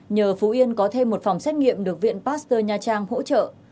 nhờ phú yên có thêm một phòng xét nghiệm được viện pasteur nha trang hỗ trợ